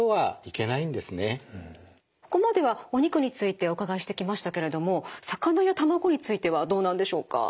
ここまではお肉についてお伺いしてきましたけれども魚や卵についてはどうなんでしょうか？